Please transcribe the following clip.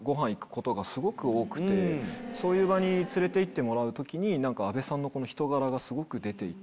そういう場に連れて行ってもらう時に阿部さんの人柄がすごく出ていて。